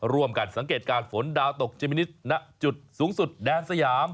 ร่วมกันสังเกตการณ์ฝนดาวตกจิมินิตณจุดสูงสุดแดนสยาม